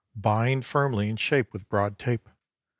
Bind firmly in shape with broad tape.